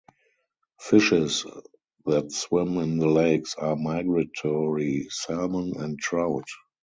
Fishes that swim in the lakes are migratory salmon and trout.